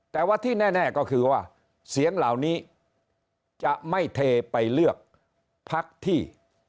แต่ว่าที่แน่ก็คือว่าเสียงเหล่านี้จะไม่เทไปเลือกพักที่